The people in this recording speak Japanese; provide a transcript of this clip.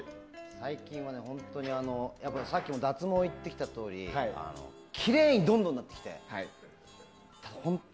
最近はさっきも脱毛行ってきたとおりきれいに、どんどんなってきて。